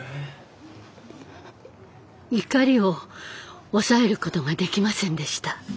怒りを抑えることができませんでした。